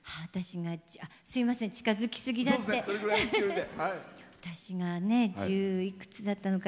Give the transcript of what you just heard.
私がすいません近づきすぎちゃって。